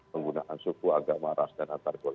penggunaan suku agama ras dan antar golongan